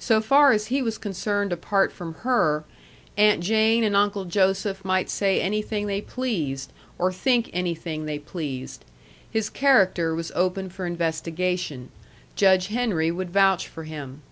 So far as he was concerned apart from her, Aunt Jane and Uncle Joseph might say anything they pleased, or think anything they pleased. His character was open for investigation. Judge Henry would vouch for him.